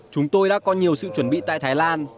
chúng tôi đã có nhiều sự chuẩn bị tại thái lan